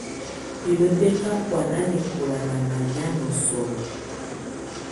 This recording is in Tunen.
Pilǝ́ bɛ̀ ka kɔ̀́á nanɛkɔla nà malɛ̀á nà solo.